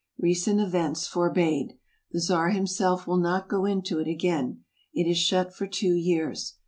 Recent events forbade. The Czar himself will not go into it again. It is shut for two years.